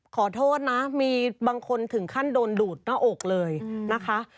ขอโทษนะมีบางคนถึงขั้นโดนดูดหน้าอกเลยนะคะ